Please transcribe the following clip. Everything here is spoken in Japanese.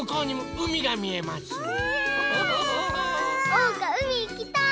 おうかうみいきたい！